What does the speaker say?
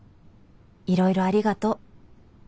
いろいろありがと。